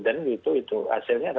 kemarahan dan card consumer